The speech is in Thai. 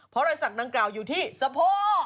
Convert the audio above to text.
เพราะรอยสักดังกล่าวอยู่ที่สะโพก